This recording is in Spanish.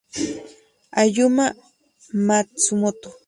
Ayumu Matsumoto